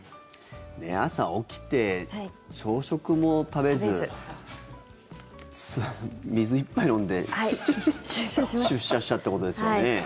朝起きて、朝食も食べず水１杯飲んで出社したってことですよね。